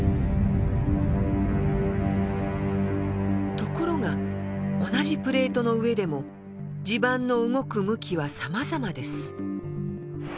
ところが同じプレートの上でも地盤の動く向きはさまざまです。